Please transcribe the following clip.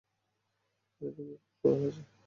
এটা দিয়ে খুন করা হয়েছে।